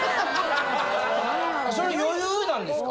それ余裕なんですか？